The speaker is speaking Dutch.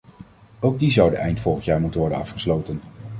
Ook die zouden eind volgend jaar moeten worden afgesloten.